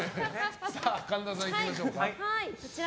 神田さん、いきましょうか。